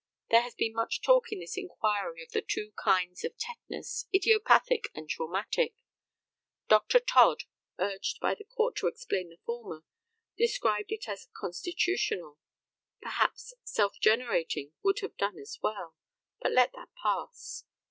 There has been much talk in this inquiry of the two kinds of tetanus idiopathic and traumatic. Dr. Todd, urged by the Court to explain the former, described it as "constitutional." Perhaps "self generating" would have done as well, but let that pass.